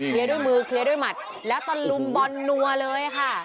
ด้วยมือเคลียร์ด้วยหมัดแล้วตะลุมบอลนัวเลยค่ะ